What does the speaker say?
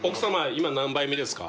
今何杯目ですか？